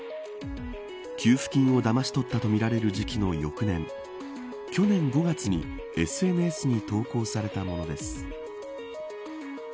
給付金をだまし取ったとみられる時期の翌年去年５月にＳＮＳに投稿されたものです。